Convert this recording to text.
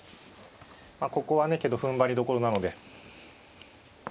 ここはねけどふんばりどころなので。